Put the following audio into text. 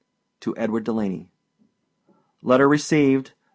TO EDWARD DELANEY. Letter received.